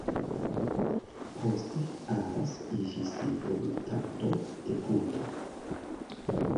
Poste Arras iĝis produktanto de punto.